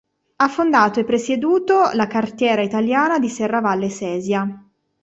Ha fondato e presieduto la Cartiera Italiana di Serravalle Sesia.